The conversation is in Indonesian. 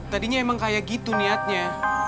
tadinya emang kayak gitu niatnya